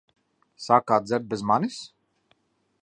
Sākāt dzert bez manis?